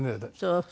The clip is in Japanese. そう。